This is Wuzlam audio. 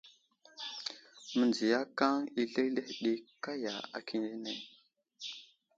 Mənziyakaŋ i zləhəzləhe ɗi kaya akindene.